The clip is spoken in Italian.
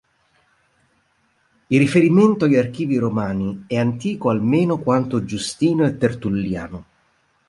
Il riferimento agli archivi romani è antico almeno quanto Giustino e Tertulliano.